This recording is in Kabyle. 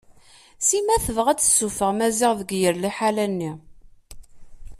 Sima tebɣa ad tessuffeɣ Maziɣ deg yir liḥala-nni.